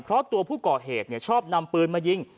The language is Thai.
เพราะตัวผู้ก่อเหตุชอบนำปืนมายิง